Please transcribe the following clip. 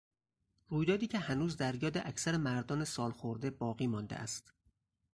رویدادی که هنوز در یاد اکثر مردان سالخورده باقی مانده است